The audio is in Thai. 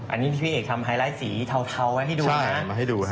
อันนี้ที่พี่เอกทำไฮไลท์สีเทาไว้ให้ดูนะ